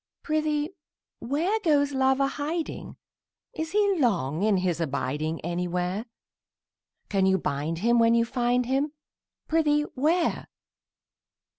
Prithee where, Goes Love a hiding? Is he long in his abiding Anywhere? Can you bind him when you find him; Prithee, where?